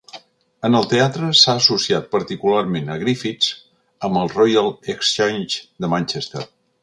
En el teatre, s'ha associat particularment a Griffths amb el Royal Exchange de Manchester.